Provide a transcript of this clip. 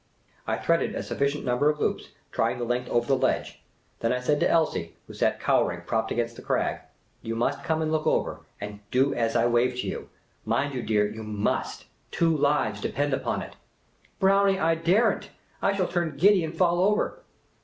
I threaded a sufficient number of loops, trying the length over the ledge. Then I said to Elsie, who sat cowering, propped against the crag, '' You must come and look over, and do as I wave to you. Mind, dear, you must! Two lives depend upon it." •'Brownie, I dare n't! I shall turn giddy and fall over